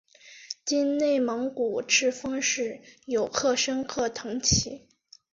今内蒙古赤峰市有克什克腾旗。